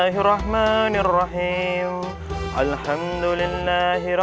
udah udah udah